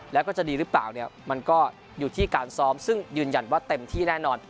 แล้วก็จะดีหรือเปล่าเนี่ยมันก็อยู่ที่การซ้อมซึ่งยืนยันว่าเต็มที่แน่นอน